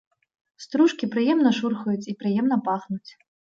Стружкі прыемна шурхаюць і прыемна пахнуць.